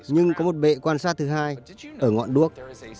nhưng có một bệ quan sát thứ hai ở ngọn đuốc